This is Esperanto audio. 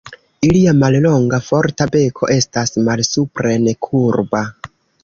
Ilia mallonga, forta beko estas malsupren kurba.